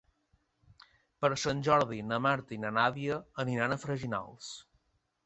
Per Sant Jordi na Marta i na Nàdia aniran a Freginals.